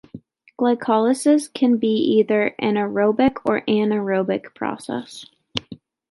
Glycolysis can be either an aerobic or anaerobic process.